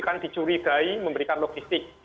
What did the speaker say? kan dicurigai memberikan logistik